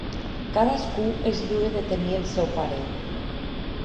Cadascú és lliure de tenir el seu parer.